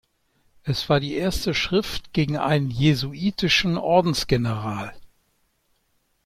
Es war die erste Schrift gegen einen jesuitischen Ordensgeneral.